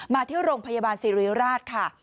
ที่โรงพยาบาลสิริราชค่ะ